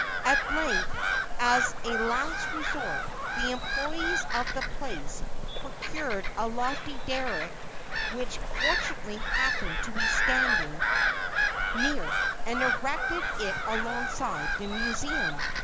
At length, as a last resort, the employees of the place procured a lofty derrick which fortunately happened to be standing near, and erected it alongside the Museum.